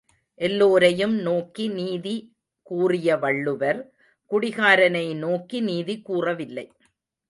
எல்லோரையும் நோக்கி நீதி கூறிய வள்ளுவர் குடிகாரனை நோக்கி நீதி கூறவில்லை.